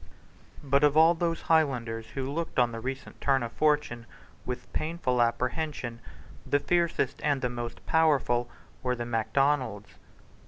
But of all those Highlanders who looked on the recent turn of fortune with painful apprehension the fiercest and the most powerful were the Macdonalds.